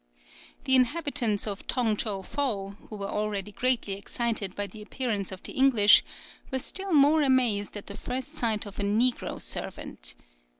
The inhabitants of Tong Chow Fow, who were already greatly excited by the appearance of the English, were still more amazed at the first sight of a negro servant.